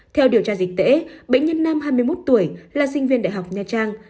theo điều tra dịch tễ bệnh nhân nam hai mươi một tuổi là sinh viên đại học nha trang